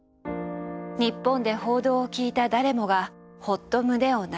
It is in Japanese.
日本で報道を聞いた誰もがホッと胸をなで下ろしました。